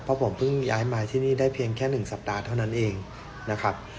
เพราะผมเพิ่งย้ายมาที่นี่ได้เพียงแค่๑สัปดาห์เท่านั้นเองนะครับ